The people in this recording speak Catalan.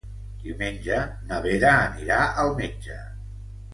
Diumenge na Vera anirà al metge.